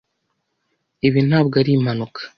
Ibi ntabwo ari impanuka.